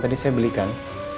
tadi saya belikan